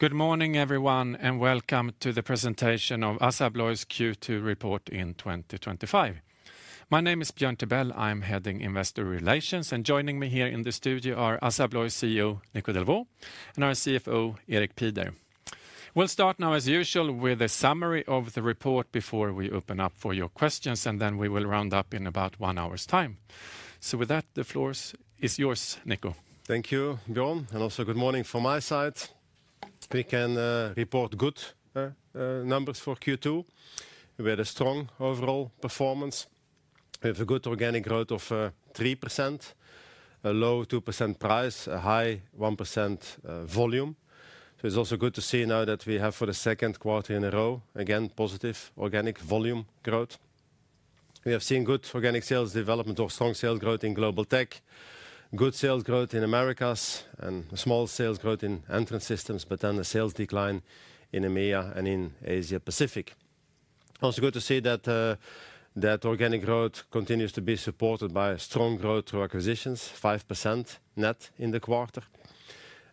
Good morning, everyone, and welcome to the presentation of ASSA ABLOY's Q2 Report in 2025. My name is Björn Tibell. I'm heading Investor Relations, and joining me here in the studio are ASSA ABLOY CEO Nico Delvaux and our CFO Erik Pieder. We'll start now, as usual, with a summary of the report before we open up for your questions, and then we will round up in about one hour's time. So with that, the floor is yours, Nico. Thank you, Björn, and also good morning from my side. We can report good numbers for Q2. We had a strong overall performance. We have a good organic growth of 3%. A low 2% price, a high 1% volume. So it's also good to see now that we have for the second quarter in a row, again, positive organic volume growth. We have seen good organic sales development or strong sales growth in global tech, good sales growth in Americas, and small sales growth in entrance systems, but then the sales decline in EMEA and in Asia-Pacific. Also good to see that organic growth continues to be supported by strong growth through acquisitions, 5% net in the quarter.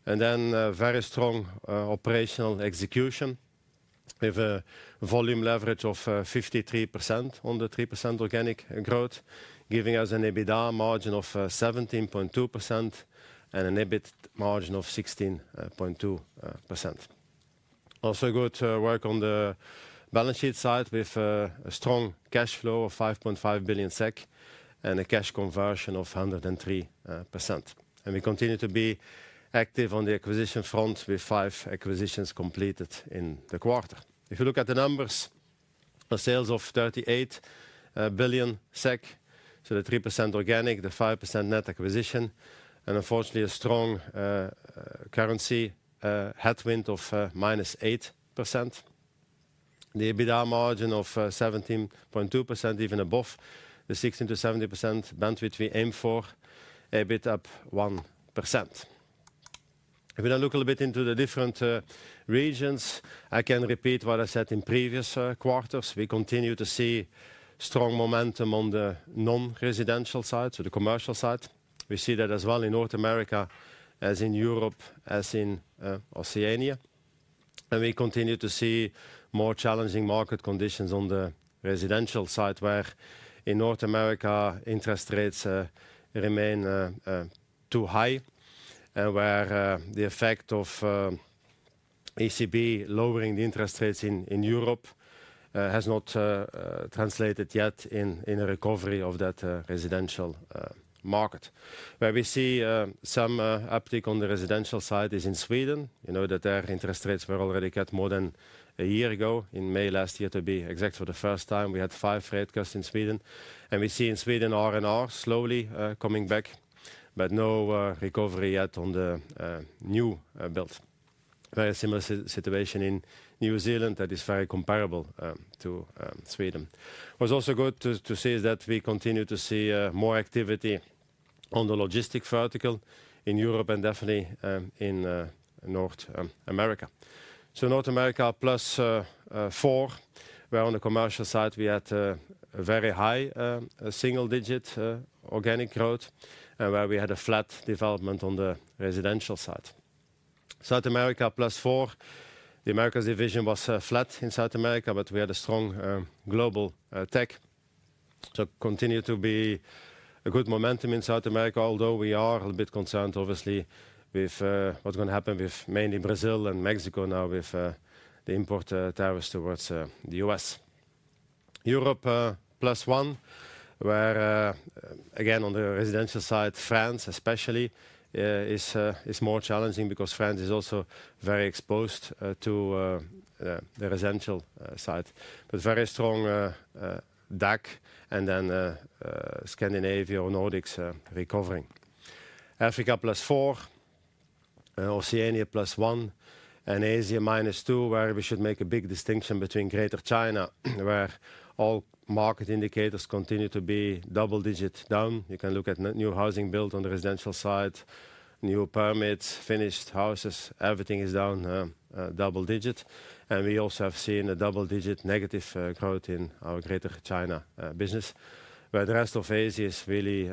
And then very strong operational execution. We have a volume leverage of 53% on the 3% organic growth, giving us an EBITDA margin of 17.2% and an EBIT margin of 16.2%. Also good work on the balance sheet side with a strong cash flow of 5.5 billion SEK and a cash conversion of 103%. And we continue to be active on the acquisition front with five acquisitions completed in the quarter. If you look at the numbers, sales of 38 billion SEK, so the 3% organic, the 5% net acquisition, and unfortunately a strong currency headwind of minus 8%. The EBITDA margin of 17.2%, even above the 16 to 17% bandwidth we aim for, EBIT up 1%. If we now look a little bit into the different regions, I can repeat what I said in previous quarters. We continue to see strong momentum on the non-residential side, so the commercial side. We see that as well in North America, as in Europe, as in Oceania. And we continue to see more challenging market conditions on the residential side, where in North America interest rates remain too high, and where the effect of ECB lowering the interest rates in Europe has not translated yet in a recovery of that residential market. Where we see some uptick on the residential side is in Sweden. You know that their interest rates were already cut more than a year ago in May last year to be exact for the first time. We had five rate cuts in Sweden, and we see in Sweden R&R slowly coming back, but no recovery yet on the new build. Very similar situation in New Zealand that is very comparable to Sweden. What's also good to see is that we continue to see more activity on the logistics vertical in Europe and definitely in North America. So North America plus four, where on the commercial side we had a very high single-digit organic growth, and where we had a flat development on the residential side. South America plus four, the Americas division was flat in South America, but we had a strong global tech. So continue to be a good momentum in South America, although we are a bit concerned obviously with what's going to happen with mainly Brazil and Mexico now with the import tariffs towards the U.S.. Europe plus one, where again on the residential side, France especially is more challenging because France is also very exposed to the residential side. But very strong DAC and then Scandinavia or Nordics recovering. Africa plus four. Oceania plus one, and Asia minus two, where we should make a big distinction between Greater China, where all market indicators continue to be double-digit down. You can look at new housing built on the residential side, new permits, finished houses, everything is down double-digit. And we also have seen a double-digit negative growth in our Greater China business, where the rest of Asia is really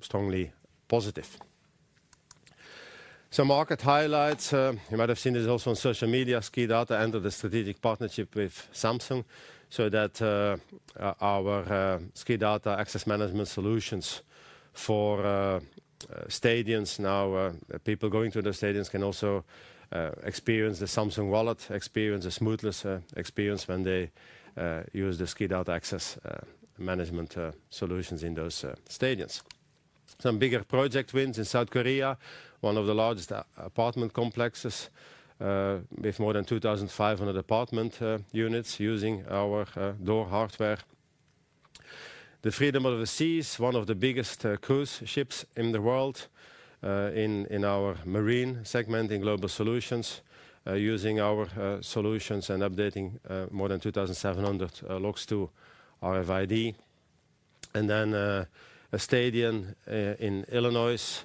strongly positive. Some market highlights, you might have seen this also on social media, SKIDATA end of the strategic partnership with Samsung, so that our SKIDATA access management solutions for stadiums, now people going to the stadiums can also experience the Samsung Wallet, experience a smoothness experience when they use the SKIDATA access management solutions in those stadiums. Some bigger project wins in South Korea, one of the largest apartment complexes with more than 2,500 apartment units using our door hardware. The Freedom of the Seas, one of the biggest cruise ships in the world in our marine segment in global solutions, using our solutions and updating more than 2,700 locks to RFID. And then a stadium in Illinois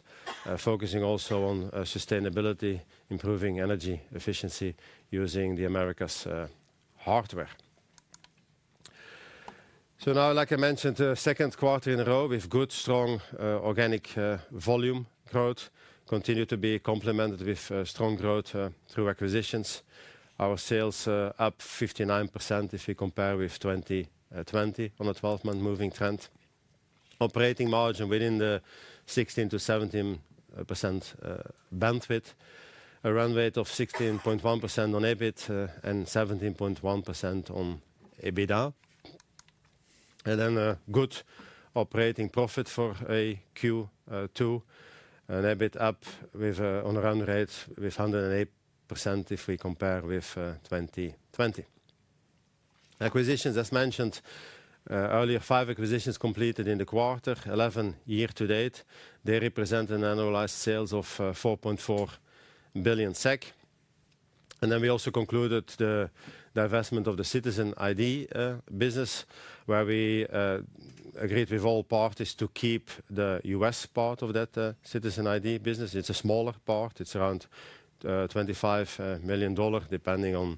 focusing also on sustainability, improving energy efficiency using the Americas hardware. So now, like I mentioned, second quarter in a row with good strong organic volume growth, continue to be complemented with strong growth through acquisitions. Our sales up 59% if we compare with 2020 on a 12-month moving trend. Operating margin within the 16%-17% bandwidth, a run rate of 16.1% on EBIT and 17.1% on EBITDA. And then a good operating profit for a Q2, an EBIT up with a run rate with 108% if we compare with 2020. Acquisitions, as mentioned earlier, five acquisitions completed in the quarter, 11 year-to-date. They represent an annualized sales of 4.4 billion SEK. And then we also concluded the divestment of the citizen ID business, where we agreed with all parties to keep the U.S. part of that citizen ID business. It's a smaller part, it's around $25 million, depending on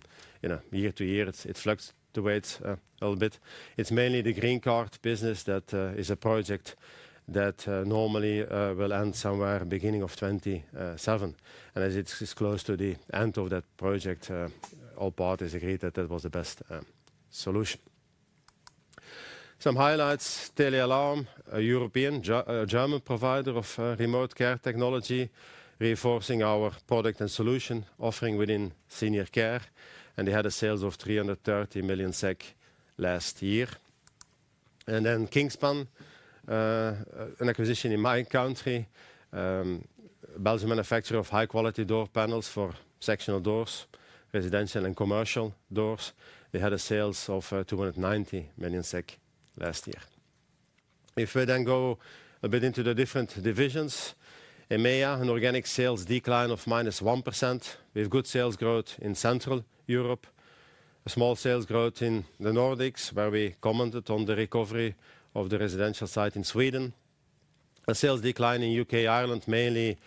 year-to-year, it fluctuates a little bit. It's mainly the green card business that is a project that normally will end somewhere beginning of 2027. And as it's close to the end of that project, all parties agreed that that was the best solution. Some highlights, TeleAlarm, a European German provider of remote care technology, reinforcing our product and solution offering within senior care. And they had a sales of 330 million SEK last year. And then Kingspan, an acquisition in my country. A Belgian manufacturer of high-quality door panels for sectional doors, residential and commercial doors. They had sales of 290 million SEK last year. If we then go a bit into the different divisions, EMEA, an organic sales decline of -1%. We have good sales growth in Central Europe, small sales growth in the Nordics, where we commented on the recovery of the residential side in Sweden. A sales decline in the U.K., Ireland, mainly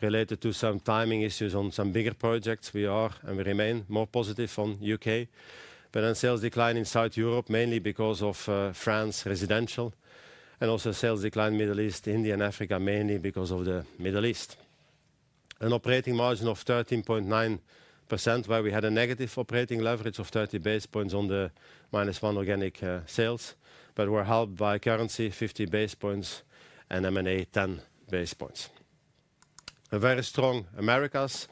related to some timing issues on some bigger projects. We are and we remain more positive on the U.K.. But then sales decline in South Europe, mainly because of France residential. And also sales decline in the Middle East, India, and Africa, mainly because of the Middle East. An operating margin of 13.9%, where we had a negative operating leverage of 30 basis points on the -1% organic sales. But we're helped by currency, 50 basis points, and M&A 10 basis points. A very strong Americas,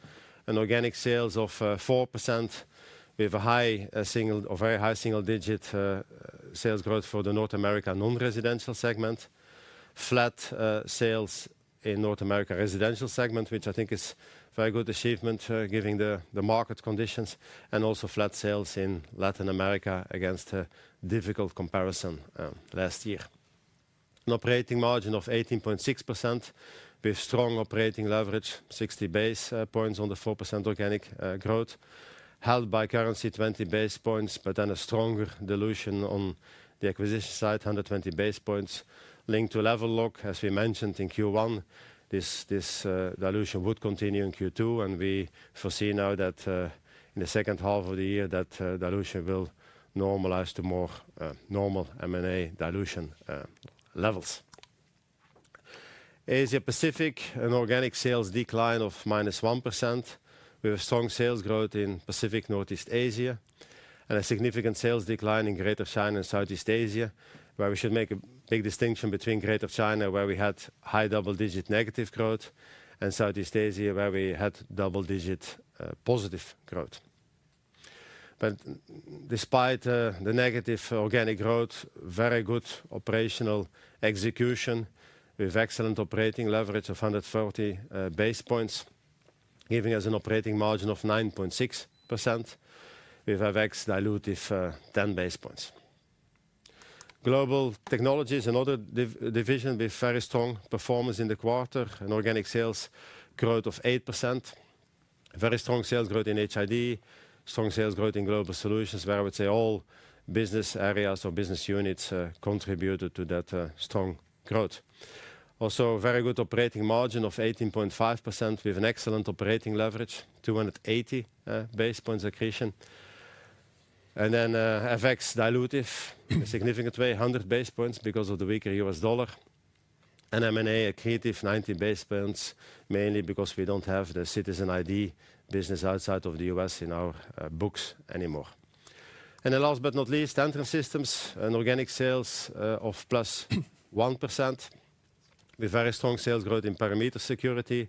an organic sales of 4%. We have a high single or very high single-digit sales growth for the North America non-residential segment. Flat sales in the North America residential segment, which I think is a very good achievement given the market conditions. And also flat sales in Latin America against a difficult comparison last year. An operating margin of 18.6%. With strong operating leverage, 60 basis points on the 4% organic growth. Helped by currency, 20 basis points, but then a stronger dilution on the acquisition side, 120 basis points, linked to Level Lock. As we mentioned in Q1. This dilution would continue in Q2, and we foresee now that in the second half of the year that dilution will normalize to more normal M&A dilution levels. Asia-Pacific, an organic sales decline of -1%. We have strong sales growth in Pacific, Northeast Asia, and a significant sales decline in Greater China and Southeast Asia, where we should make a big distinction between Greater China, where we had high double-digit negative growth, and Southeast Asia, where we had double-digit positive growth. But despite the negative organic growth, very good operational execution with excellent operating leverage of 130 basis points, giving us an operating margin of 9.6%. With FX dilutive 10 basis points. Global Technologies and other divisions with very strong performance in the quarter, an organic sales growth of 8%. Very strong sales growth in HID, strong sales growth in global solutions, where I would say all business areas or business units contributed to that strong growth. Also, very good operating margin of 18.5% with an excellent operating leverage, 280 basis points accretion. And then FX dilutive in a significant way, 100 basis points because of the weaker U.S. dollar. And M&A accretive, 90 basis points, mainly because we don't have the citizen ID business outside of t.he U.S. in our books anymore. And then last but not least, Entrance Systems, an organic sales of +1%. With very strong sales growth in perimeter security,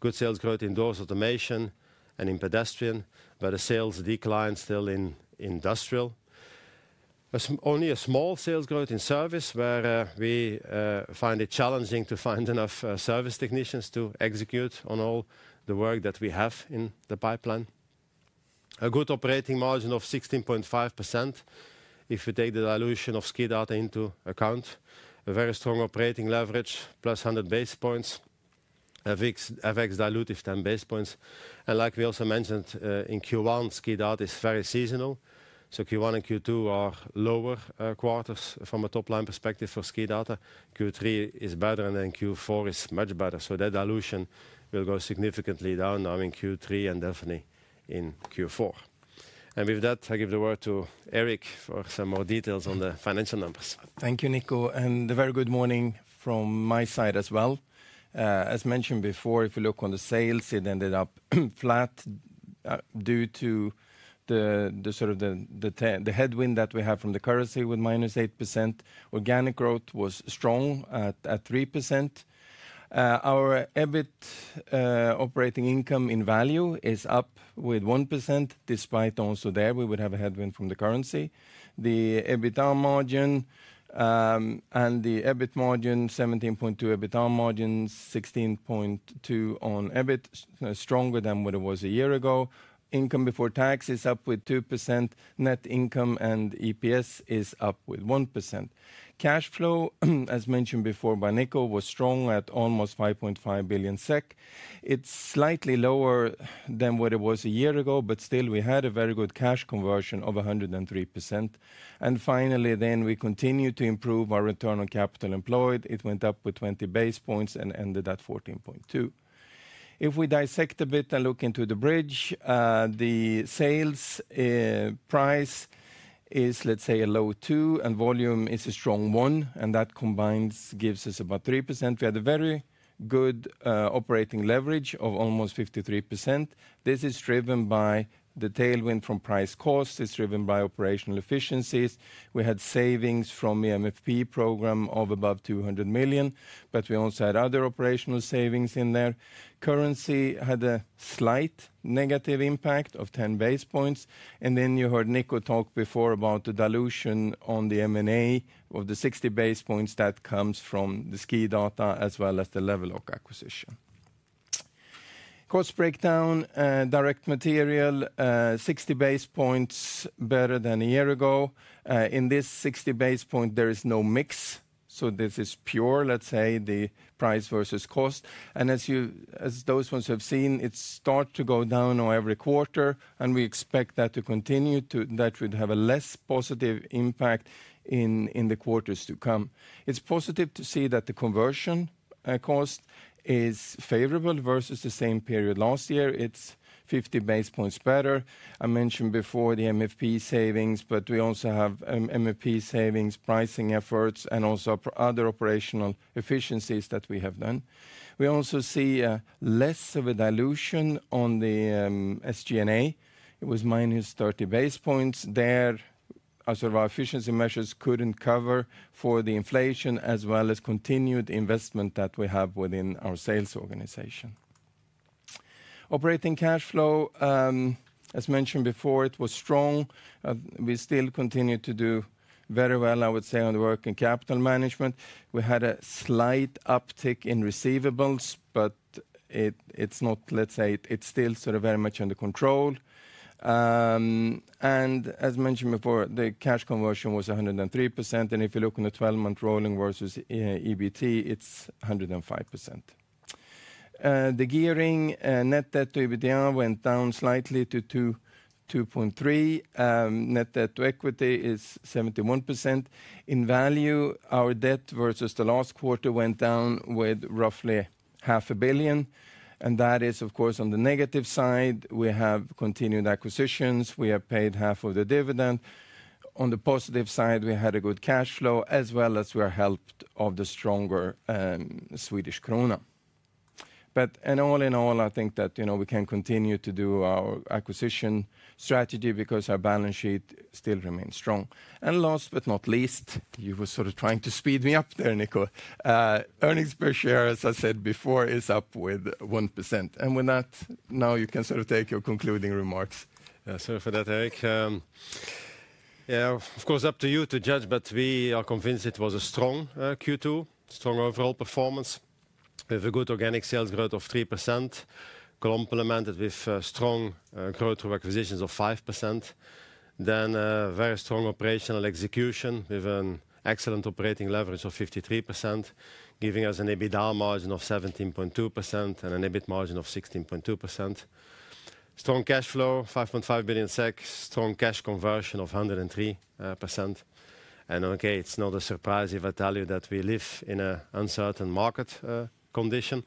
good sales growth in door automation and in pedestrian, but a sales decline still in industrial. Only a small sales growth in service, where we find it challenging to find enough service technicians to execute on all the work that we have in the pipeline. A good operating margin of 16.5%. If we take the dilution of SKIDATA into account, a very strong operating leverage, plus 100 basis points. FX dilutive, 10 basis points. And like we also mentioned in Q1, SKIDATA is very seasonal. So Q1 and Q2 are lower quarters from a top-line perspective for SKIDATA. Q3 is better and then Q4 is much better. So that dilution will go significantly down now in Q3 and definitely in Q4. And with that, I give the word to Erik for some more details on the financial numbers. Thank you, Nico, and a very good morning from my side as well. As mentioned before, if we look on the sales, it ended up flat. Due to the sort of the headwind that we have from the currency with -8%. Organic growth was strong at 3%. Our EBIT. Operating income in value is up with 1%, despite also there we would have a headwind from the currency. The EBITDA margin. And the EBIT margin, 17.2% EBITDA margin, 16.2% on EBIT, stronger than what it was a year ago. Income before tax is up with 2%. Net income and EPS is up with 1%. Cash flow, as mentioned before by Nico, was strong at almost 5.5 billion SEK. It's slightly lower than what it was a year ago, but still we had a very good cash conversion of 103%. And finally then we continue to improve our return on capital employed. It went up with 20 basis points and ended at 14.2%. If we dissect a bit and look into the bridge, the sales. Price is, let's say, a low 2% and volume is a strong 1%, and that combined gives us about 3%. We had a very good operating leverage of almost 53%. This is driven by the tailwind from price cost. It's driven by operational efficiencies. We had savings from the MFP program of above 200 million, but we also had other operational savings in there. Currency had a slight negative impact of 10 basis points. And then you heard Nico talk before about the dilution on the M&A of the 60 basis points that comes from the SKIDATA as well as the Level Lock acquisition. Cost breakdown, direct material, 60 basis points better than a year ago. In this 60 basis point, there is no mix. So this is pure, let's say, the price versus cost. And as you, as those ones have seen, it starts to go down on every quarter, and we expect that to continue to, that would have a less positive impact in the quarters to come. It's positive to see that the conversion cost is favorable versus the same period last year. It's 50 basis points better. I mentioned before the MFP savings, but we also have MFP savings, pricing efforts, and also other operational efficiencies that we have done. We also see less of a dilution on the SG&A. It was -30 basis points there. Our efficiency measures couldn't cover for the inflation as well as continued investment that we have within our sales organization. Operating cash flow. As mentioned before, it was strong. We still continue to do very well, I would say, on the working capital management. We had a slight uptick in receivables, but it's not, let's say, it's still sort of very much under control. And as mentioned before, the cash conversion was 103%. And if you look on the 12-month rolling versus EBIT, it's 105%. The gearing, net debt to EBITDA went down slightly to 2.3. Net debt to equity is 71%. In value, our debt versus the last quarter went down with roughly 0.5 billion. And that is, of course, on the negative side. We have continued acquisitions. We have paid half of the dividend. On the positive side, we had a good cash flow as well as we are helped by the stronger Swedish krona. But all in all, I think that we can continue to do our acquisition strategy because our balance sheet still remains strong. And last but not least, you were sort of trying to speed me up there, Nico. Earnings per share, as I said before, is up with 1%. And with that, now you can sort of take your concluding remarks. Sorry for that, Erik. Yeah, of course, up to you to judge, but we are convinced it was a strong Q2, strong overall performance with a good organic sales growth of 3%. Complemented with strong growth through acquisitions of 5%. Then very strong operational execution with an excellent operating leverage of 53%, giving us an EBITDA margin of 17.2% and an EBIT margin of 16.2%. Strong cash flow, 5.5 billion SEK, strong cash conversion of 103%. And okay, it's not a surprise if I tell you that we live in an uncertain market condition.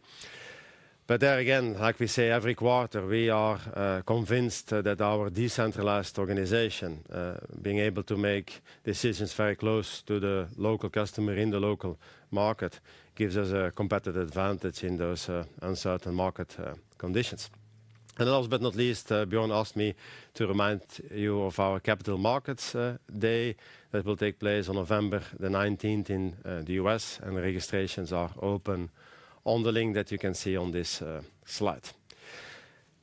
But there again, like we say, every quarter we are convinced that our decentralized organization, being able to make decisions very close to the local customer in the local market, gives us a competitive advantage in those uncertain market conditions. And last but not least, Björn asked me to remind you of our capital markets day that will take place on November the 19th in the U.S., and registrations are open on the link that you can see on this slide.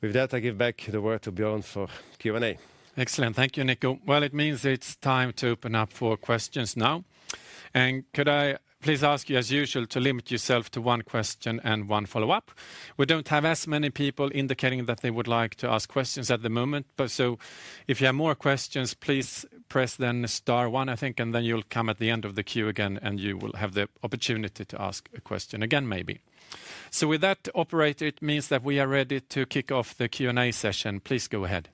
With that, I give back the word to Björn for Q&A. Excellent. Thank you, Nico. Well, it means it's time to open up for questions now. And could I please ask you, as usual, to limit yourself to one question and one follow-up? We don't have as many people indicating that they would like to ask questions at the moment. So if you have more questions, please press star one, I think, and then you'll come at the end of the queue again and you will have the opportunity to ask a question again maybe. So with that, operator, it means that we are ready to kick off the Q&A session. Please go ahead.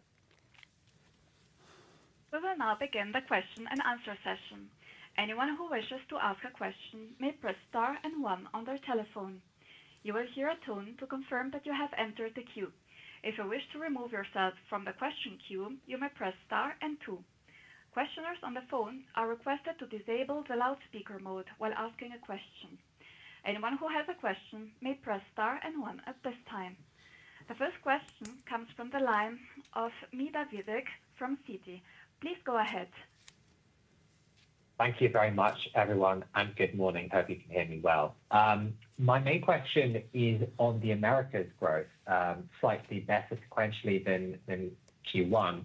We will now begin the question and answer session. Anyone who wishes to ask a question may press star and one on their telephone. You will hear a tone to confirm that you have entered the queue. If you wish to remove yourself from the question queue, you may press star and two. Questioners on the phone are requested to disable the loudspeaker mode while asking a question. Anyone who has a question may press star and one at this time. The first question comes from the line of Midha Vivek from Citi. Please go ahead. Thank you very much, everyone, and good morning. Hope you can hear me well. My main question is on the Americas growth, slightly better sequentially than Q1.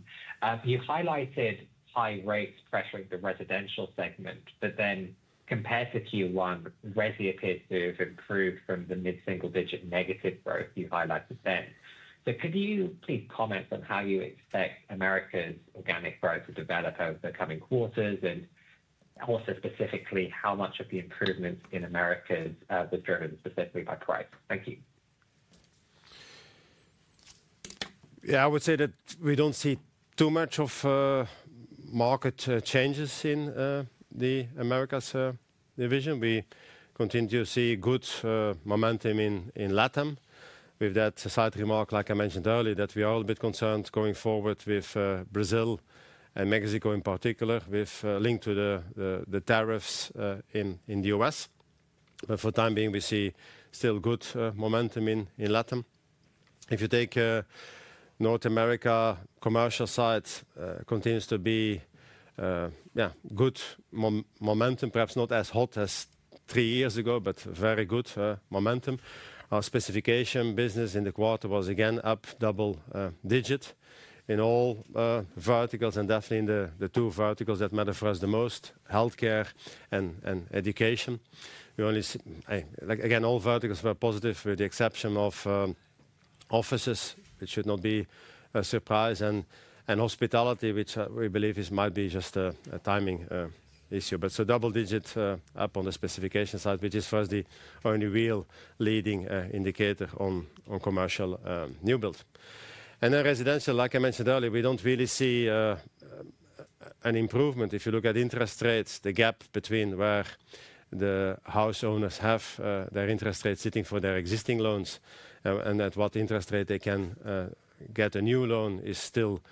You highlighted high rates pressuring the residential segment, but then compared to Q1, where's the delta to improve from the mid-single digit negative growth you highlighted then? So could you please comment on how you expect Americas organic growth to develop over the coming quarters and. Also specifically how much of the improvements in Americas was driven specifically by price? Thank you. Yeah, I would say that we don't see too much of market changes in the Americas division. We continue to see good momentum in Latam. With that side remark, like I mentioned earlier, that we are a little bit concerned going forward with Brazil and Mexico in particular, with linked to the tariffs in the US. But for the time being, we see still good momentum in Latam. If you take North America, the commercial side continues to be yeah, good momentum, perhaps not as hot as three years ago, but very good momentum. Our specification business in the quarter was again up double digit in all verticals and definitely in the two verticals that matter for us the most, healthcare and education. Overall, again, all verticals were positive with the exception of offices. It should not be a surprise, and hospitality, which we believe might be just a timing issue. But so double digit up on the specification side, which is for us the only real leading indicator on commercial new build. And then residential, like I mentioned earlier, we don't really see an improvement. If you look at interest rates, the gap between where the house owners have their interest rates sitting for their existing loans and at what interest rate they can get a new loan is still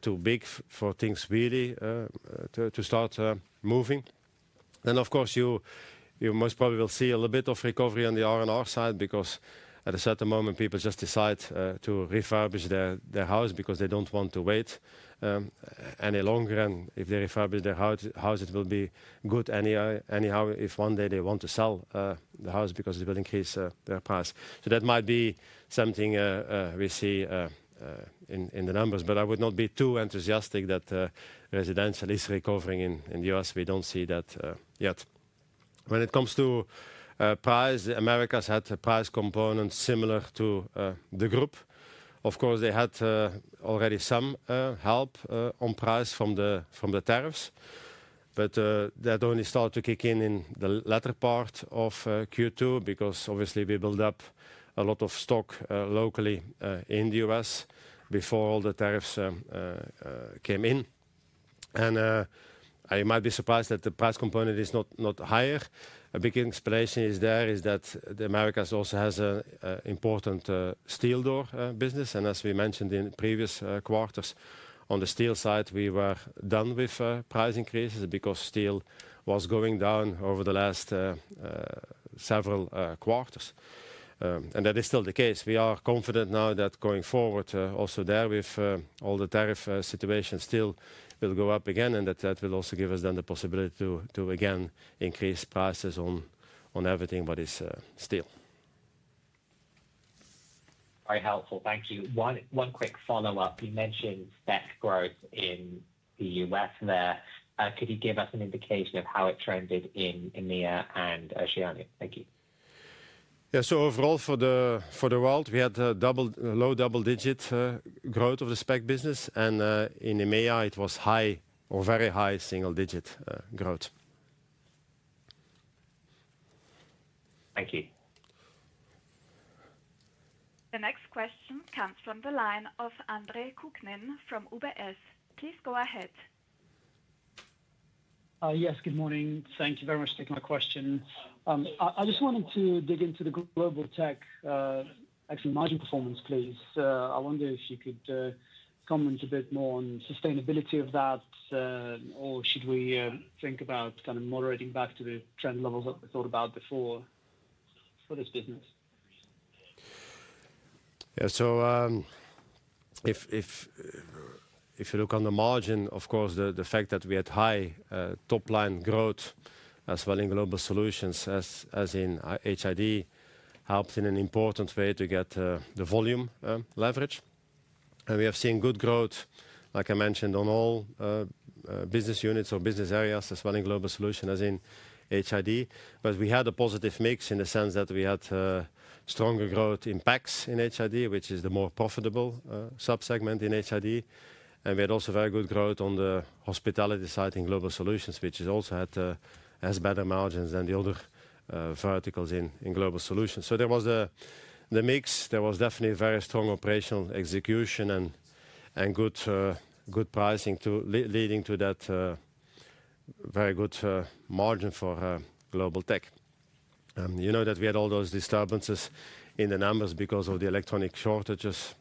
too big for things really to start moving. And of course, you most probably will see a little bit of recovery on the R&R side because at a certain moment people just decide to refurbish their house because they don't want to wait any longer. And if they refurbish their house, it will be good anyhow if one day they want to sell the house because it will increase their price. So that might be something we see in the numbers, but I would not be too enthusiastic that residential is recovering in the U.S. We don't see that yet. When it comes to price, the Americas had a price component similar to the group. Of course, they had already some help on price from the tariffs, but that only started to kick in in the latter part of Q2 because obviously we built up a lot of stock locally in the U.S. before all the tariffs came in. And I might be surprised that the price component is not higher. A big explanation is there is that the Americas also has an important steel door business. And as we mentioned in previous quarters on the steel side, we were done with price increases because steel was going down over the last several quarters. And that is still the case. We are confident now that going forward also there with all the tariff situation still will go up again and that that will also give us then the possibility to again increase prices on everything but it's steel. Very helpful. Thank you. One quick follow-up. You mentioned SPAC growth in the U.S. there. Could you give us an indication of how it trended in EMEA and Oceania? Thank you. Yeah, so overall for the world, we had a low double-digit growth of the SPAC business. And in EMEA, it was high- or very high single-digit growth. Thank you. The next question comes from the line of Andre Kukhnin from UBS. Please go ahead. Yes, good morning. Thank you very much for taking my question. I just wanted to dig into the global tech actually margin performance, please. I wonder if you could comment a bit more on sustainability of that. Or should we think about kind of moderating back to the trend levels that we thought about before for this business? Yeah, so if you look on the margin, of course, the fact that we had high top line growth as well in global solutions as in HID helped in an important way to get the volume leverage. And we have seen good growth, like I mentioned, on all business units or business areas as well in global solutions as in HID. But we had a positive mix in the sense that we had stronger growth in PACS in HID, which is the more profitable subsegment in HID. And we had also very good growth on the hospitality side in global solutions, which also had better margins than the other verticals in global solutions. So there was the mix. There was definitely very strong operational execution and. Good. Pricing leading to that. Very good margin for global tech. You know that we had all those disturbances in the numbers because of the electronic shortages,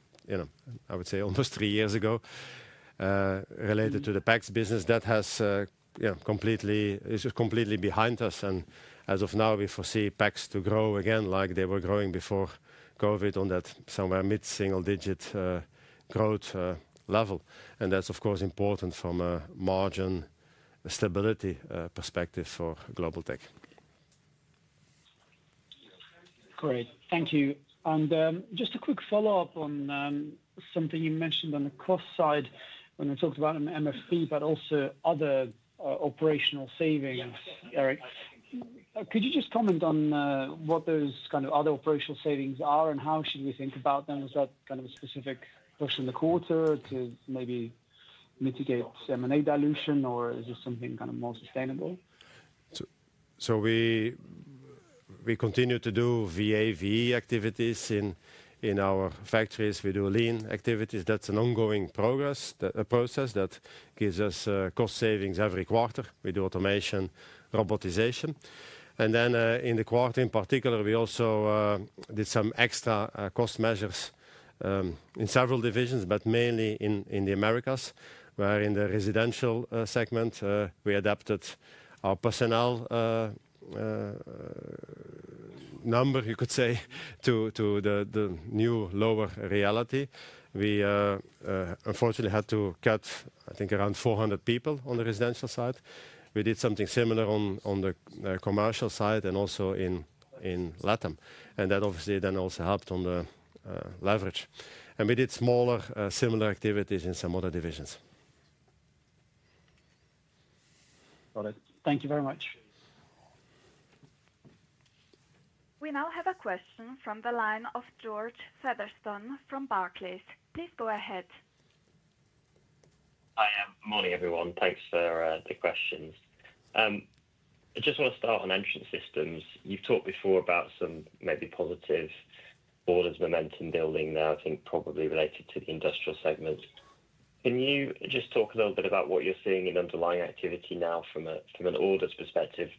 I would say almost three years ago. Related to the PACs business. That has. Completely behind us. And as of now, we foresee PACs to grow again like they were growing before COVID on that somewhere mid-single digit growth level. And that's, of course, important from a margin stability perspective for global tech. Great. Thank you. And just a quick follow-up on. Something you mentioned on the cost side when we talked about MFP, but also other operational savings. Could you just comment on what those kind of other operational savings are and how should we think about them? Was that kind of a specific push in the quarter to maybe mitigate M&A dilution, or is it something kind of more sustainable? So. We. Continue to do VAVE activities in our factories. We do lean activities. That's an ongoing process that gives us cost savings every quarter. We do automation, robotization. And then in the quarter in particular, we also. Did some extra cost measures. In several divisions, but mainly in the Americas, where in the residential segment, we adapted our personnel. Number, you could say, to the new lower reality. We. Unfortunately had to cut, I think, around 400 people on the residential side. We did something similar on the commercial side and also in Latam. And that obviously then also helped on the leverage. And we did smaller similar activities in some other divisions. Got it. Thank you very much. We now have a question from the line of George Featherstone from Barclays. Please go ahead. Hi, good morning, everyone. Thanks for the questions. I just want to start on entrance systems. You've talked before about some maybe positive orders momentum building now, I think probably related to the industrial segment. Can you just talk a little bit about what you're seeing in underlying activity now from an orders perspective?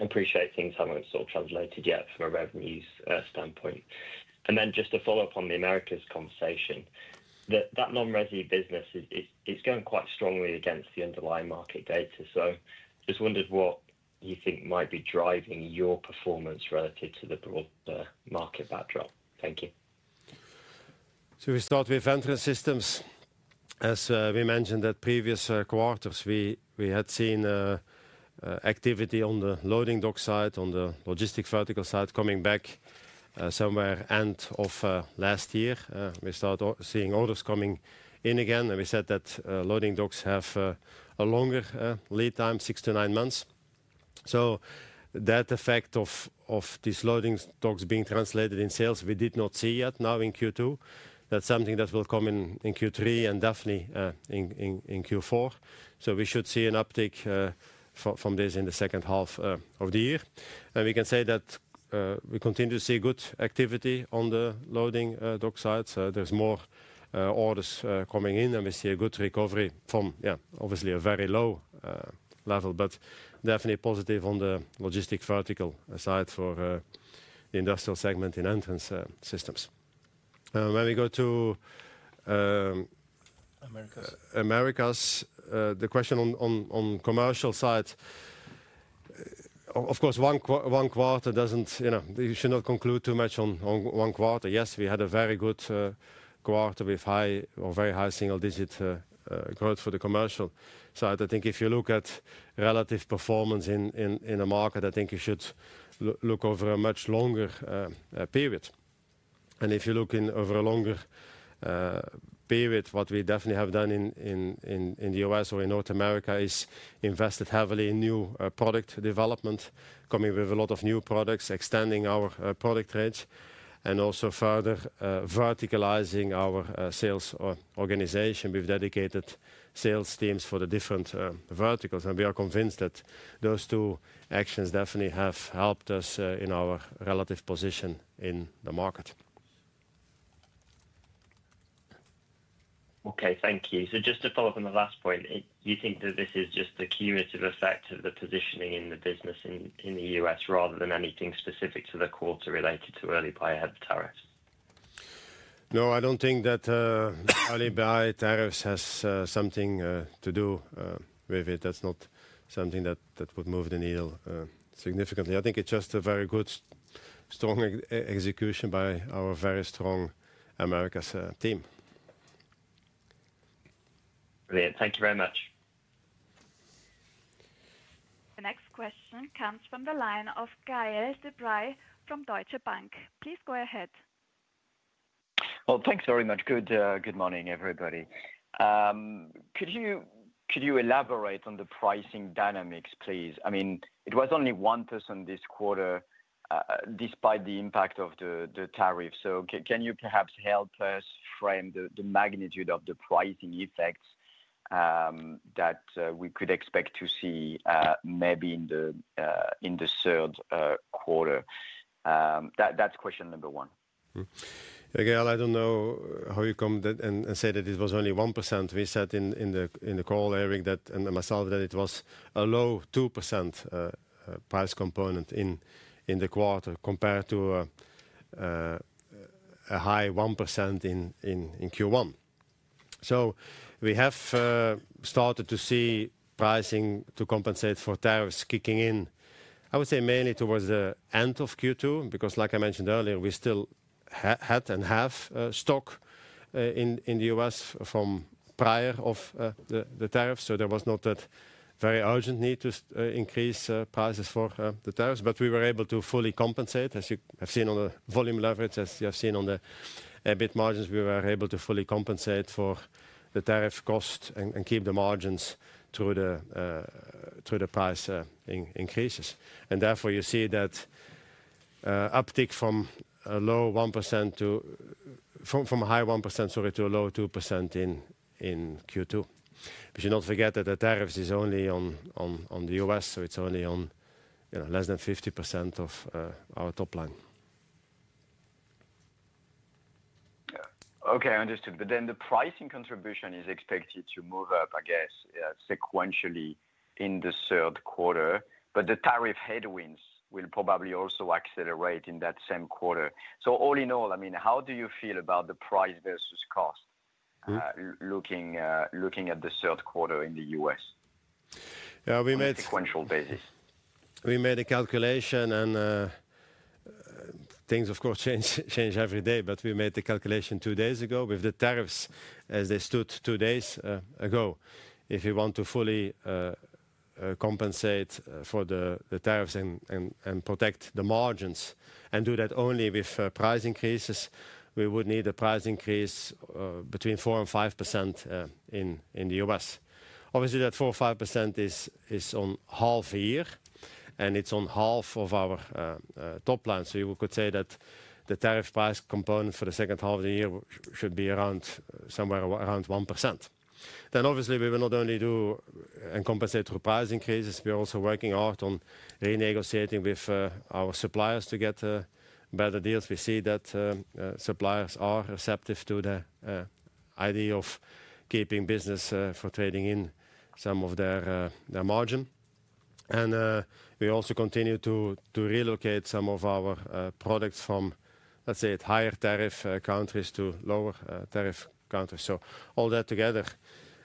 I appreciate things haven't sort of translated yet from a revenues standpoint. And then just to follow up on the Americas conversation, that non-resident business is going quite strongly against the underlying market data. So just wondered what you think might be driving your performance relative to the broad market backdrop. Thank you. So we start with entrance systems. As we mentioned that previous quarters, we had seen. Activity on the loading dock side, on the logistics vertical side coming back. Somewhere end of last year. We started seeing orders coming in again. And we said that loading docks have a longer lead time, six to nine months. So that effect of. These loading docks being translated in sales, we did not see yet now in Q2. That's something that will come in Q3 and definitely in Q4. So we should see an uptick. From this in the second half of the year. And we can say that we continue to see good activity on the loading dock side. So there's more orders coming in and we see a good recovery from, yeah, obviously a very low level, but definitely positive on the logistics vertical side for the industrial segment in entrance systems. When we go to Americas, the question on commercial side, of course, one quarter doesn't. You should not conclude too much on one quarter. Yes, we had a very good quarter with high or very high single digit growth for the commercial side. I think if you look at relative performance in a market, I think you should look over a much longer period. And if you look over a longer period, what we definitely have done in the U.S. or in North America is invested heavily in new product development, coming with a lot of new products, extending our product range, and also further verticalizing our sales organization. We've dedicated sales teams for the different verticals. And we are convinced that those two actions definitely have helped us in our relative position in the market. Okay, thank you. So just to follow up on the last point, you think that this is just the cumulative effect of the positioning in the business in the US rather than anything specific to the quarter related to early buyer tariffs? No, I don't think that early buyer tariffs has something to do with it. That's not something that would move the needle significantly. I think it's just a very good, strong execution by our very strong Americas team. Brilliant. Thank you very much. The next question comes from the line of Gael de-Bray from Deutsche Bank. Please go ahead. Well, thanks very much. Good morning, everybody. Could you elaborate on the pricing dynamics, please? I mean, it was only 1% pricing this quarter. Despite the impact of the tariffs. So can you perhaps help us frame the magnitude of the pricing effects that we could expect to see maybe in the third quarter? That's question number one. Again, I don't know how you come and say that it was only 1%. We said in the call, Erik, that and myself that it was a low 2%. Price component in the quarter compared to a high 1% in Q1. So we have started to see pricing to compensate for tariffs kicking in, I would say, mainly towards the end of Q2, because, like I mentioned earlier, we still had and have stock in the U.S. from prior to the tariffs. So there was not that very urgent need to increase prices for the tariffs. But we were able to fully compensate, as you have seen on the volume leverage, as you have seen on the EBIT margins. We were able to fully compensate for the tariff cost and keep the margins through the price increases. And therefore, you see that. Uptick from a low 1% to from a high 1%, sorry, to a low 2% in Q2. But you don't forget that the tariffs is only on the U.S., so it's only on less than 50% of our top line. Yeah, okay, understood. But then the pricing contribution is expected to move up, I guess, sequentially in the third quarter. But the tariff headwinds will probably also accelerate in that same quarter. So all in all, I mean, how do you feel about the price versus cost looking at the third quarter in the U.S.? On a sequential basis. We made a calculation and things, of course, change every day, but we made the calculation two days ago with the tariffs as they stood two days ago. If you want to fully compensate for the tariffs and protect the margins and do that only with price increases, we would need a price increase between 4% and 5% in the U.S.. Obviously, that 4% or 5% is on half a year and it's on half of our top line. So you could say that the tariff price component for the second half of the year should be around somewhere around 1%. Then, obviously, we will not only do and compensate for price increases. We're also working hard on renegotiating with our suppliers to get better deals. We see that suppliers are receptive to the idea of keeping business for trading in some of their margin. And we also continue to relocate some of our products from, let's say, higher tariff countries to lower tariff countries. So all that together,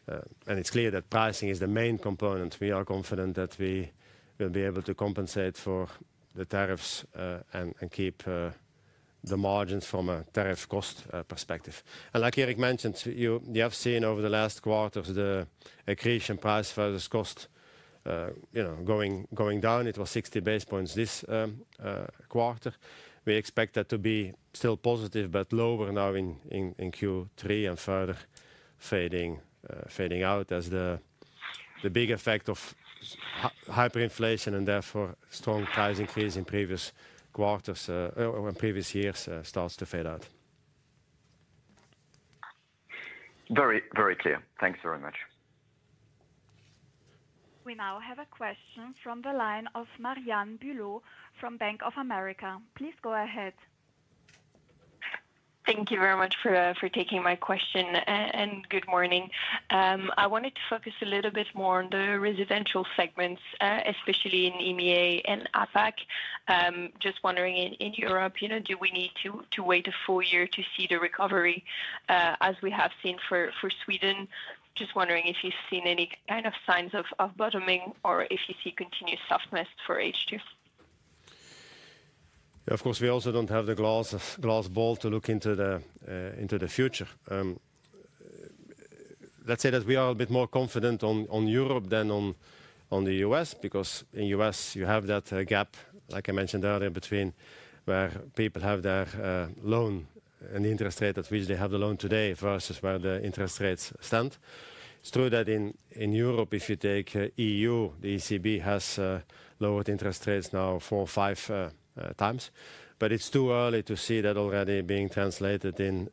and it's clear that pricing is the main component. We are confident that we will be able to compensate for the tariffs and keep the margins from a tariff cost perspective. And like Erik mentioned, you have seen over the last quarters the accretion price versus cost going down. It was 60 basis points this quarter. We expect that to be still positive, but lower now in Q3 and further fading out as the big effect of hyperinflation and therefore strong price increase in previous quarters or in previous years starts to fade out. Very, very clear. Thanks very much. We now have a question from the line of Marianne Bulot from Bank of America. Please go ahead. Thank you very much for taking my question and good morning. I wanted to focus a little bit more on the residential segments, especially in EMEA and APAC. Just wondering in Europe, do we need to wait a full year to see the recovery as we have seen for Sweden? Just wondering if you've seen any kind of signs of bottoming or if you see continued softness for H2. Of course, we also don't have the glass ball to look into the future. Let's say that we are a bit more confident on Europe than on the U.S. because in the U.S., you have that gap, like I mentioned earlier, between where people have their loan and the interest rate at which they have the loan today versus where the interest rates stand. It's true that in Europe, if you take EU, the ECB has lowered interest rates now four or five times. But it's too early to see that already being translated in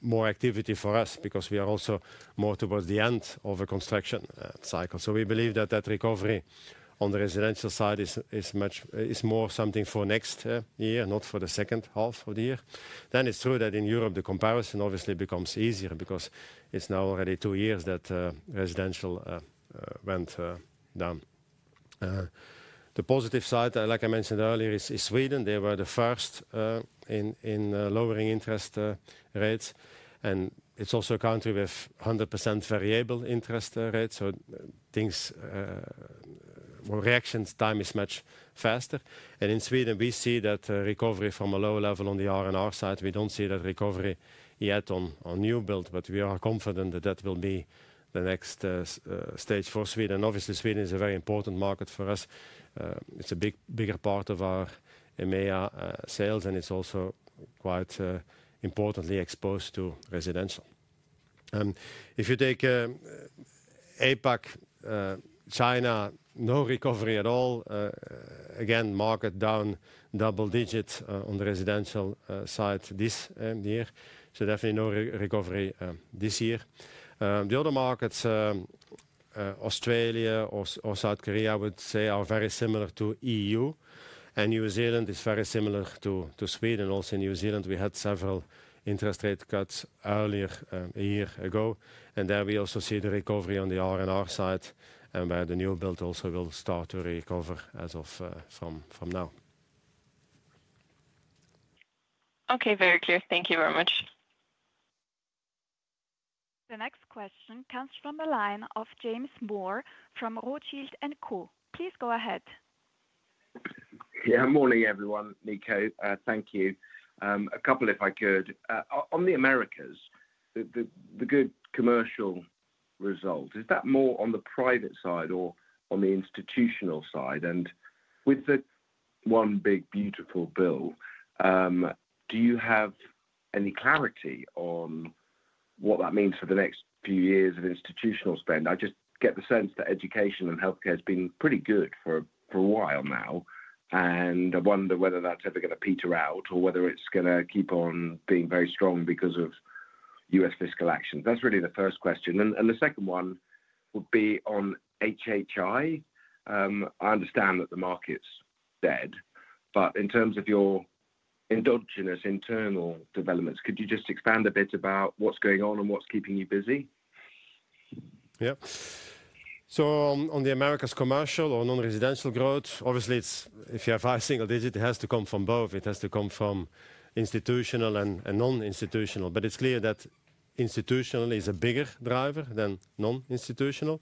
more activity for us because we are also more towards the end of a construction cycle. So we believe that that recovery on the residential side is more something for next year, not for the second half of the year. Then it's true that in Europe, the comparison obviously becomes easier because it's now already two years that residential went down. The positive side, like I mentioned earlier, is Sweden. They were the first in lowering interest rates. And it's also a country with 100% variable interest rates. So reaction time is much faster. And in Sweden, we see that recovery from a lower level on the R&R side. We don't see that recovery yet on new build, but we are confident that that will be the next stage for Sweden. And obviously, Sweden is a very important market for us. It's a bigger part of our EMEA sales, and it's also quite importantly exposed to residential. If you take APAC, China, no recovery at all. Again, market down double-digit on the residential side this year. So definitely no recovery this year. The other markets, Australia or South Korea, I would say, are very similar to EU. And New Zealand is very similar to Sweden. Also in New Zealand, we had several interest rate cuts earlier a year ago. And there we also see the recovery on the R&R side and where the new build also will start to recover as of from now. Okay, very clear. Thank you very much. The next question comes from the line of James Moore from Rothschild & Co. Please go ahead. Yeah, morning everyone, Nico. Thank you. A couple if I could. On the Americas. The good commercial result, is that more on the private side or on the institutional side? And with the one big beautiful bill, do you have any clarity on what that means for the next few years of institutional spend? I just get the sense that education and healthcare has been pretty good for a while now. And I wonder whether that's ever going to peter out or whether it's going to keep on being very strong because of U.S. fiscal action. That's really the first question. And the second one would be on HHI. I understand that the market's dead, but in terms of your endogenous internal developments, could you just expand a bit about what's going on and what's keeping you busy? Yeah. So on the Americas commercial or non-residential growth, obviously, if you have a single-digit, it has to come from both. It has to come from institutional and non-institutional. But it's clear that institutional is a bigger driver than non-institutional.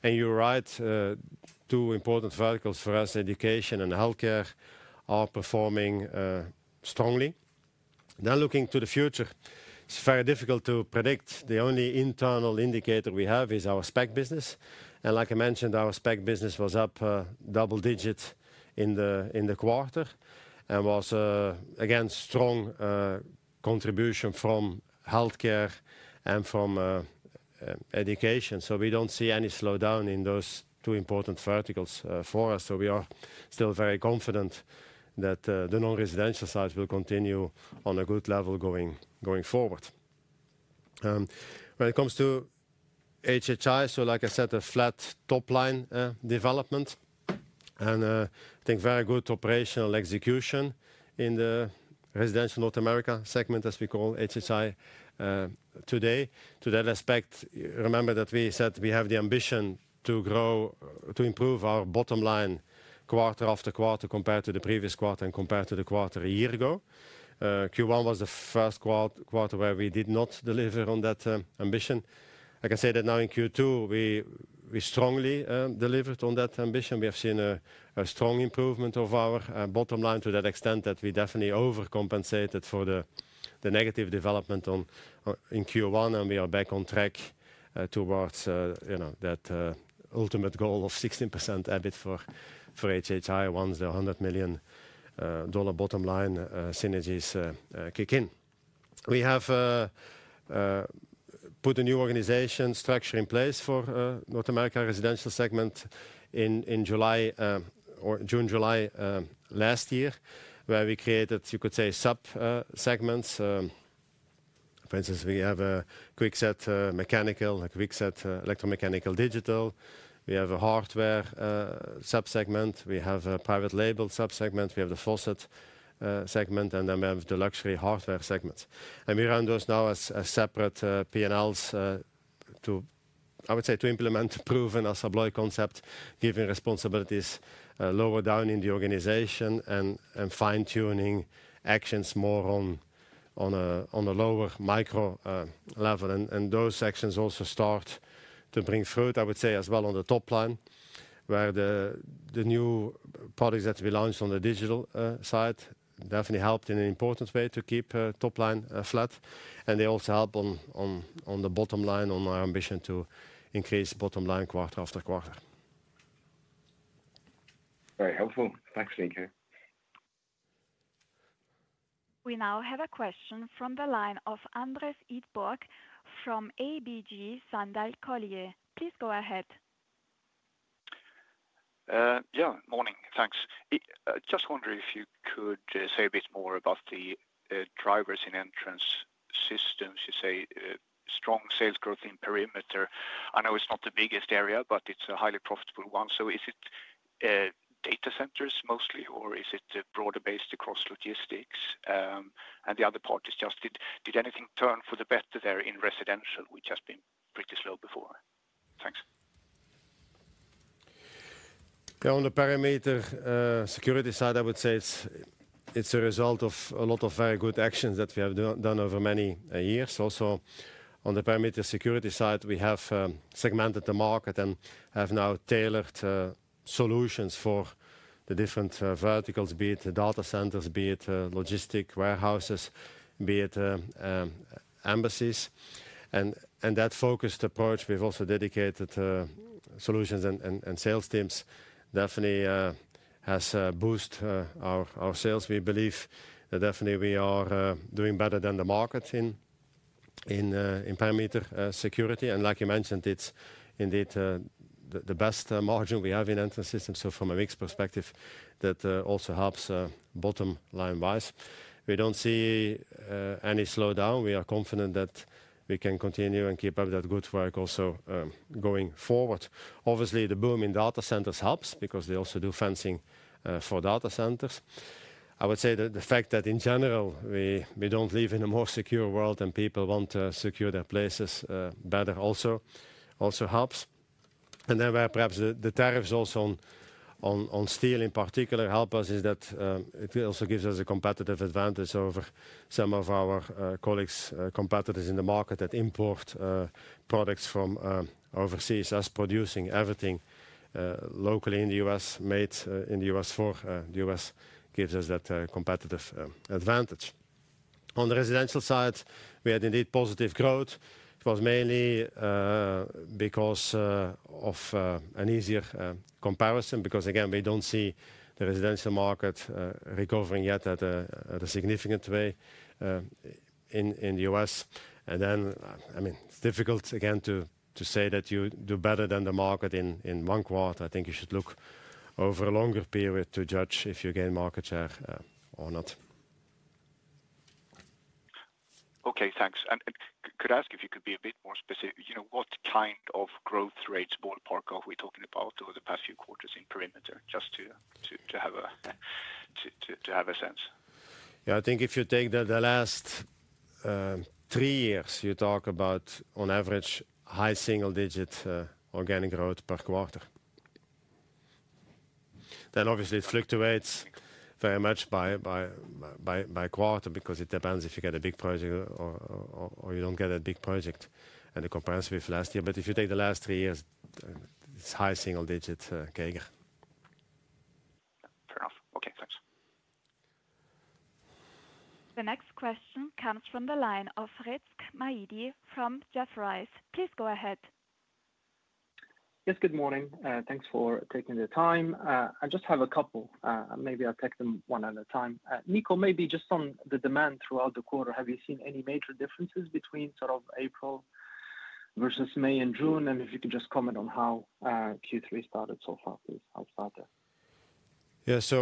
And you're right. Two important verticals for us, education and healthcare, are performing strongly. Then looking to the future, it's very difficult to predict. The only internal indicator we have is our SPAC business. And like I mentioned, our SPAC business was up double-digit in the quarter and was, again, strong contribution from healthcare and from education. So we don't see any slowdown in those two important verticals for us. So we are still very confident that the non-residential side will continue on a good level going forward. When it comes to HHI, so like I said, a flat top line development. And I think very good operational execution in the residential North America segment, as we call HHI today. To that respect, remember that we said we have the ambition to grow, to improve our bottom line quarter after quarter compared to the previous quarter and compared to the quarter a year ago. Q1 was the first quarter where we did not deliver on that ambition. I can say that now in Q2, we strongly delivered on that ambition. We have seen a strong improvement of our bottom line to that extent that we definitely overcompensated for the negative development in Q1, and we are back on track towards that ultimate goal of 16% EBIT for HHI once the $100 million bottom line synergies kick in. We have put a new organization structure in place for North America residential segment in June-July last year, where we created, you could say, sub-segments. For instance, we have a Kwikset mechanical, a Kwikset electromechanical digital. We have a hardware sub-segment. We have a private label sub-segment. We have the faucet segment, and then we have the luxury hardware segment. And we run those now as separate P&Ls. I would say to implement proven assembly concept, giving responsibilities lower down in the organization and fine-tuning actions more on a lower micro level. And those actions also start to bring fruit, I would say, as well on the top line, where the new products that we launched on the digital side definitely helped in an important way to keep top line flat. And they also help on the bottom line on our ambition to increase bottom line quarter after quarter. Very helpful. Thanks, Nico. We now have a question from the line of Anders Idborg from ABG Sundal Collier. Please go ahead. Yeah, morning. Thanks. Just wondering if you could say a bit more about the drivers in entrance systems. You say strong sales growth in perimeter. I know it's not the biggest area, but it's a highly profitable one. So is it data centers mostly, or is it broader based across logistics? And the other part is just, did anything turn for the better there in residential, which has been pretty slow before? Thanks. Yeah, on the perimeter security side, I would say it's a result of a lot of very good actions that we have done over many years. Also, on the perimeter security side, we have segmented the market and have now tailored solutions for the different verticals, be it data centers, be it logistic warehouses, be it embassies. And that focused approach, we've also dedicated solutions and sales teams definitely has boosted our sales. We believe that definitely we are doing better than the market in perimeter security. And like you mentioned, it's indeed the best margin we have in entrance systems. So from a mix perspective, that also helps bottom line wise. We don't see any slowdown. We are confident that we can continue and keep up that good work also going forward. Obviously, the boom in data centers helps because they also do fencing for data centers. I would say that the fact that in general, we don't live in a more secure world and people want to secure their places better also helps. And then where perhaps the tariffs also on steel in particular help us is that it also gives us a competitive advantage over some of our colleagues, competitors in the market that import products from overseas as producing everything locally in the U.S., made in the U.S. for the U.S. gives us that competitive advantage. On the residential side, we had indeed positive growth. It was mainly because of an easier comparison because, again, we don't see the residential market recovering yet at a significant way in the U.S.. And then, I mean, it's difficult again to say that you do better than the market in one quarter. I think you should look over a longer period to judge if you gain market share or not. Okay, thanks. And could I ask if you could be a bit more specific, what kind of growth rates ballpark are we talking about over the past few quarters in perimeter? Just to have a sense. Yeah, I think if you take the last three years, you talk about on average high single digit organic growth per quarter. Then obviously it fluctuates very much by quarter because it depends if you get a big project or you don't get a big project and the comparison with last year. But if you take the last three years, it's high single digit, okay. Fair enough. Okay, thanks. The next question comes from the line of Rizk Maidi from Jefferies. Please go ahead. Yes, good morning. Thanks for taking the time. I just have a couple. Maybe I'll take them one at a time. Nico, maybe just on the demand throughout the quarter, have you seen any major differences between sort of April versus May and June? And if you can just comment on how Q3 started so far, please. I'll start there. Yeah, so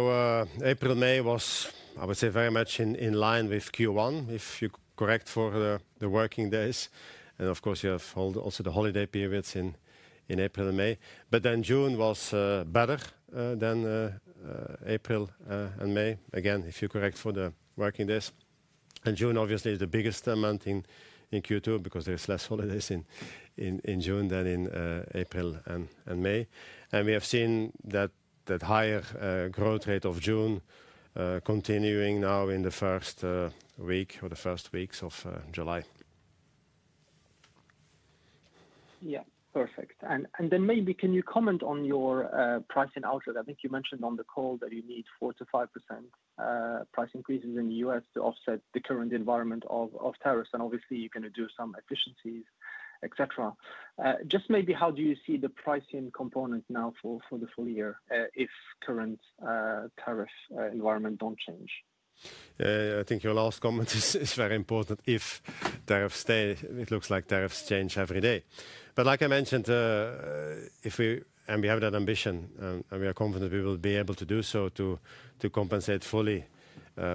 April, May was, I would say, very much in line with Q1, if you correct for the working days. And of course, you have also the holiday periods in April and May. But then June was better than April and May. Again, if you correct for the working days. And June, obviously, is the biggest month in Q2 because there's less holidays in June than in April and May. And we have seen that higher growth rate of June continuing now in the first week or the first weeks of July. Yeah, perfect. And then maybe can you comment on your pricing outlook? I think you mentioned on the call that you need 4%-5% price increases in the U.S. to offset the current environment of tariffs. And obviously, you can do some efficiencies, etc. Just maybe how do you see the pricing component now for the full year if current tariff environment don't change? I think your last comment is very important. If tariffs stay, it looks like tariffs change every day. But like I mentioned, if we have that ambition and we are confident we will be able to do so to compensate fully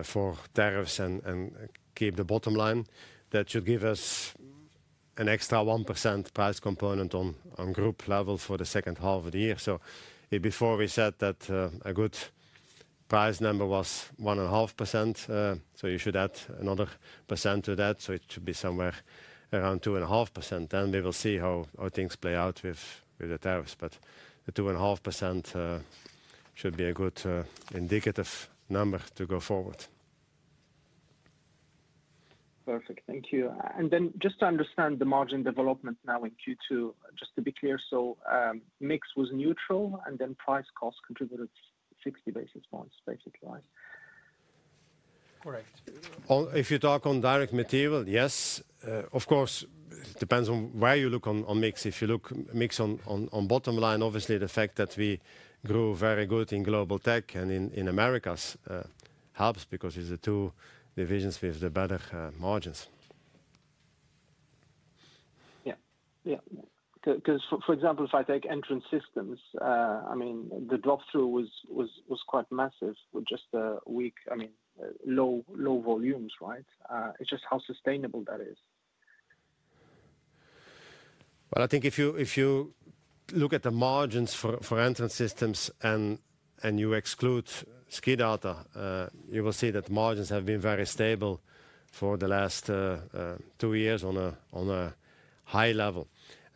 for tariffs and keep the bottom line, that should give us an extra 1% price component on group level for the second half of the year. So before we said that a good price number was 1.5%, so you should add another percent to that. So it should be somewhere around 2.5%. Then we will see how things play out with the tariffs. But the 2.5% should be a good indicative number to go forward. Perfect. Thank you. And then just to understand the margin development now in Q2, just to be clear, so mix was neutral and then price cost contributed 60 basis points, basically, right? Correct. If you talk on direct material, yes. Of course, it depends on where you look on mix. If you look mix on bottom line, obviously the fact that we grew very good in Global Technologies and in Americas helps because it's the two divisions with the better margins. Yeah, yeah. Because for example, if I take Entrance Systems, I mean, the drop-through was quite massive with just a weak, I mean, low volumes, right? It's just how sustainable that is. Well, I think if you look at the margins for Entrance Systems and you exclude SKIDATA, you will see that margins have been very stable for the last two years on a high level.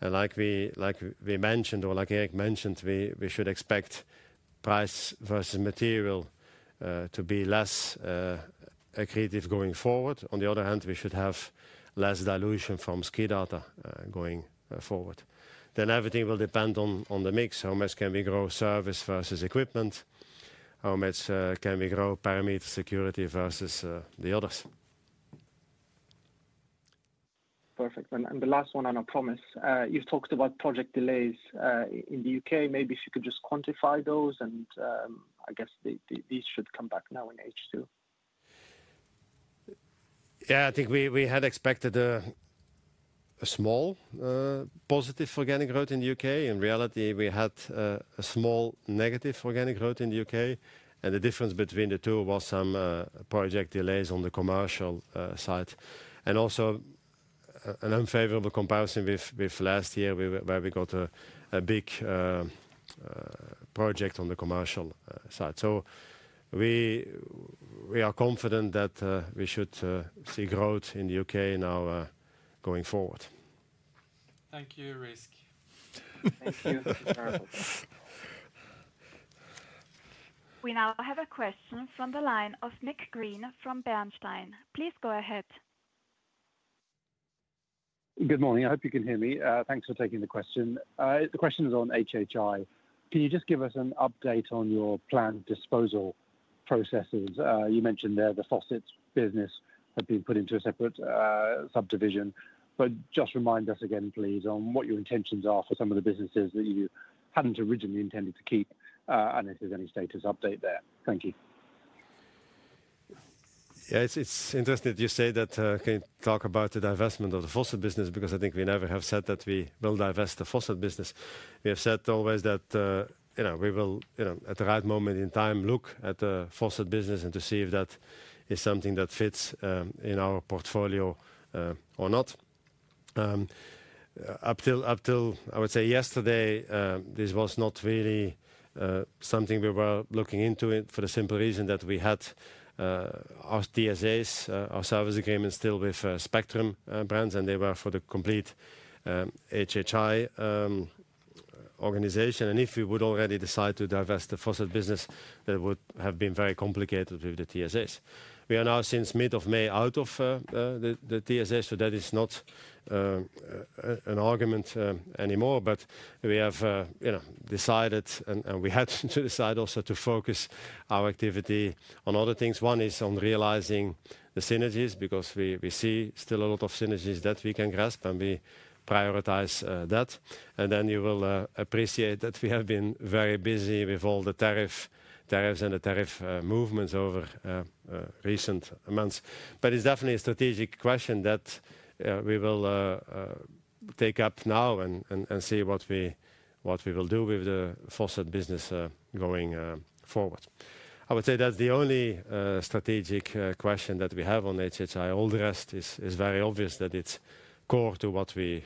And like we mentioned or like Erik mentioned, we should expect price versus material to be less accretive going forward. On the other hand, we should have less dilution from SKIDATA going forward. Then everything will depend on the mix. How much can we grow service versus equipment? How much can we grow perimeter security versus the others? Perfect. And the last one, and I promise, you've talked about project delays in the U.K. Maybe if you could just quantify those, and I guess these should come back now in H2. Yeah, I think we had expected a small positive organic growth in the U.K. In reality, we had a small negative organic growth in the U.K. And the difference between the two was some project delays on the commercial side. And also an unfavorable comparison with last year, where we got a big project on the commercial side. So we are confident that we should see growth in the U.K. now going forward. Thank you, Rizk. Thank you. We now have a question from the line of Nick Green from Bernstein. Please go ahead. Good morning. I hope you can hear me. Thanks for taking the question. The question is on HHI. Can you just give us an update on your planned disposal processes? You mentioned there the faucets business had been put into a separate subdivision. But just remind us again, please, on what your intentions are for some of the businesses that you hadn't originally intended to keep, unless there's any status update there. Thank you. Yeah, it's interesting that you say that. Can you talk about the divestment of the faucet business? Because I think we never have said that we will divest the faucet business. We have said always that we will, at the right moment in time, look at the faucet business and to see if that is something that fits in our portfolio or not. Up till, I would say, yesterday, this was not really something we were looking into for the simple reason that we had our TSAs, our service agreements still with Spectrum Brands, and they were for the complete HHI organization. And if we would already decide to divest the faucet business, that would have been very complicated with the TSAs. We are now, since mid of May, out of the TSA, so that is not an argument anymore. But we have decided, and we had to decide also to focus our activity on other things. One is on realizing the synergies because we see still a lot of synergies that we can grasp, and we prioritize that. And then you will appreciate that we have been very busy with all the tariffs and the tariff movements over recent months. But it's definitely a strategic question that we will take up now and see what we will do with the faucet business going forward. I would say that's the only strategic question that we have on HHI. All the rest is very obvious that it's core to what we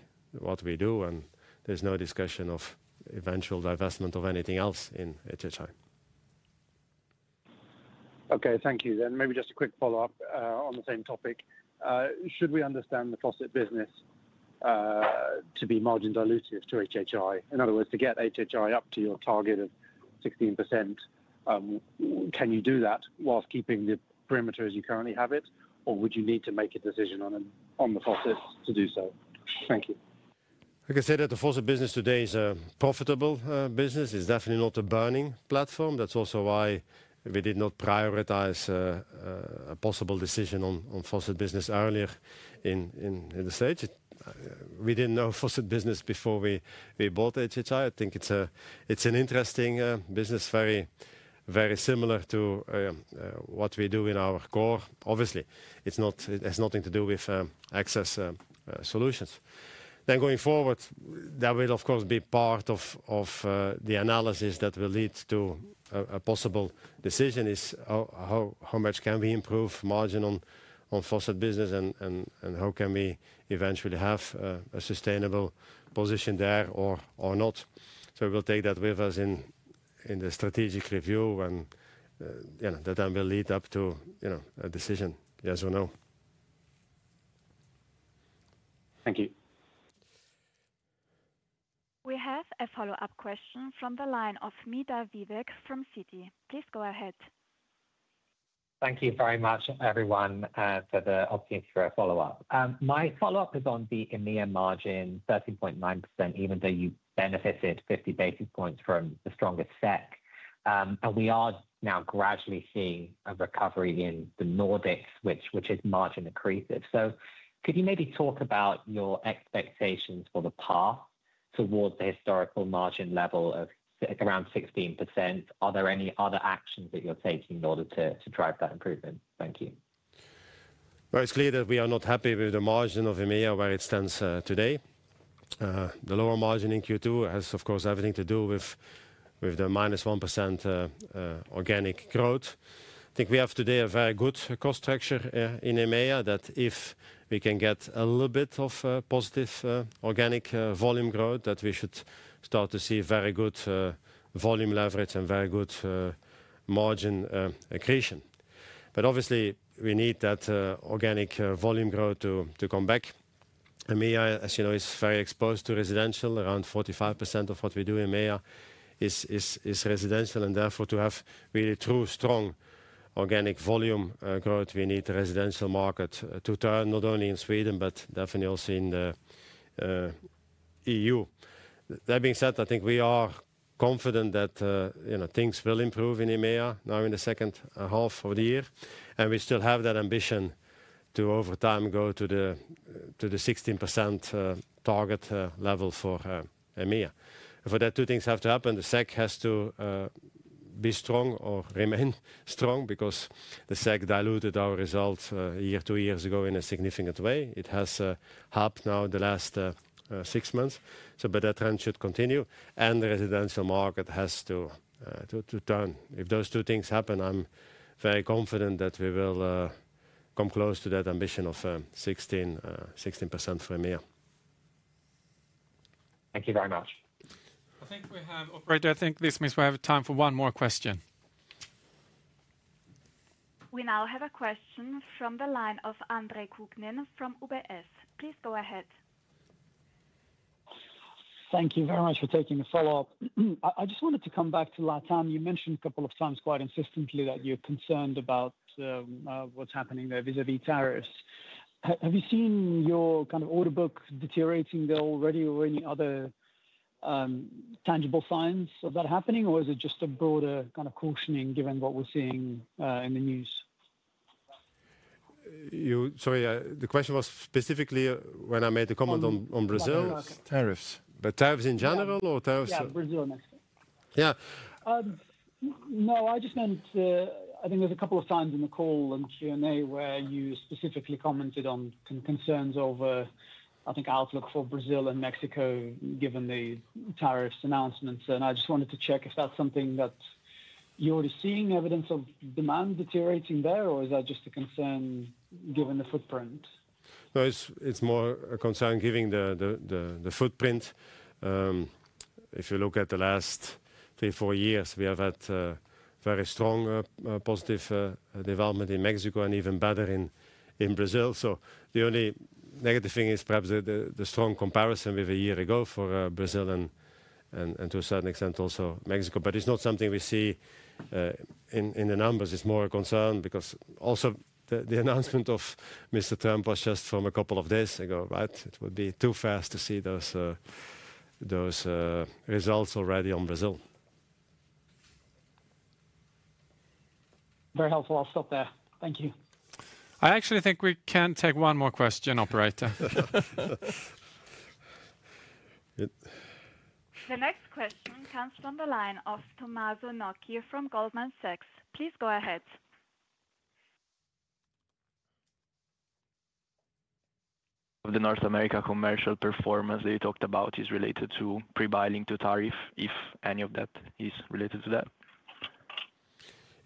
do, and there's no discussion of eventual divestment of anything else in HHI. Okay, thank you. And maybe just a quick follow-up on the same topic. Should we understand the faucet business to be margin dilutive to HHI? In other words, to get HHI up to your target of 16%. Can you do that while keeping the perimeter as you currently have it, or would you need to make a decision on the faucets to do so? Thank you. Like I said, the faucet business today is a profitable business. It's definitely not a burning platform. That's also why we did not prioritize a possible decision on faucet business earlier in the stage. We didn't know faucet business before we bought HHI. I think it's an interesting business, very similar to what we do in our core. Obviously, it has nothing to do with access solutions. Then going forward, that will, of course, be part of the analysis that will lead to a possible decision is how much can we improve margin on faucet business and how can we eventually have a sustainable position there or not. So we'll take that with us in the strategic review and that then will lead up to a decision, yes or no. Thank you. We have a follow-up question from the line of Midha Vivek from Citi. Please go ahead. Thank you very much, everyone, for the opportunity for a follow-up. My follow-up is on the EMEA margin, 13.9%, even though you benefited 50 basis points from the strongest SEK. We are now gradually seeing a recovery in the Nordics, which is margin accretive. So could you maybe talk about your expectations for the path towards the historical margin level of around 16%? Are there any other actions that you're taking in order to drive that improvement? Thank you. Well, it's clear that we are not happy with the margin of EMEA where it stands today. The lower margin in Q2 has, of course, everything to do with the minus 1% organic growth. I think we have today a very good cost structure in EMEA that if we can get a little bit of positive organic volume growth, that we should start to see very good volume leverage and very good margin accretion. But obviously, we need that organic volume growth to come back. EMEA, as you know, is very exposed to residential. Around 45% of what we do in EMEA is residential. And therefore, to have really true strong organic volume growth, we need the residential market to turn, not only in Sweden, but definitely also in the EU. That being said, I think we are confident that things will improve in EMEA now in the second half of the year. And we still have that ambition to, over time, go to the 16% target level for EMEA. For that, two things have to happen. The SEK has to be strong or remain strong because the SEK diluted our results a year, two years ago in a significant way. It has happened now in the last six months. So that trend should continue. And the residential market has to turn. If those two things happen, I'm very confident that we will come close to that ambition of 16% for EMEA. Thank you very much. I think we have—Right, I think this means we have time for one more question. We now have a question from the line of Andre Kukhnin from UBS. Please go ahead. Thank you very much for taking the follow-up. I just wanted to come back to Latam. You mentioned a couple of times quite insistently that you're concerned about what's happening there vis-à-vis tariffs. Have you seen your kind of order book deteriorating there already or any other tangible signs of that happening, or is it just a broader kind of cautioning given what we're seeing in the news? Sorry, the question was specifically when I made the comment on Brazil. Tariffs. But tariffs in general or tariffs? Yeah, Brazil next to it. Yeah. No, I just meant I think there's a couple of times in the call and Q&A where you specifically commented on concerns over, I think, outlook for Brazil and Mexico given the tariffs announcements. And I just wanted to check if that's something that you're already seeing evidence of demand deteriorating there, or is that just a concern given the footprint? No, it's more a concern giving the footprint. If you look at the last three, four years, we have had very strong positive development in Mexico and even better in Brazil. So the only negative thing is perhaps the strong comparison with a year ago for Brazil and to a certain extent also Mexico. But it's not something we see in the numbers. It's more a concern because also the announcement of Mr. Trump was just from a couple of days ago, right? It would be too fast to see those results already on Brazil. Very helpful. I'll stop there. Thank you. I actually think we can take one more question, operator. The next question comes from the line of Tommaso Nocchi from Goldman Sachs. Please go ahead. The North America commercial performance that you talked about is related to pre-buying to tariff, if any of that is related to that?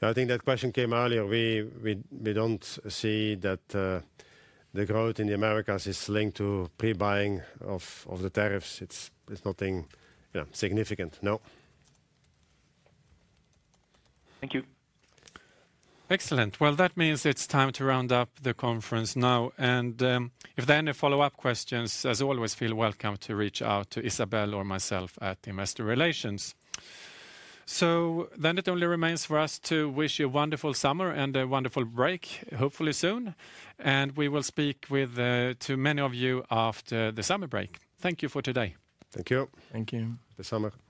I think that question came earlier. We don't see that. The growth in the Americas is linked to pre-buying of the tariffs. It's nothing significant, no. Thank you. Excellent. Well, that means it's time to round up the conference now. And if there are any follow-up questions, as always, feel welcome to reach out to Isabelle or myself at Investor Relations. So then it only remains for us to wish you a wonderful summer and a wonderful break, hopefully soon. And we will speak to many of you after the summer break. Thank you for today. Thank you. Thank you. The summer.